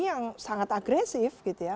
yang sangat agresif gitu ya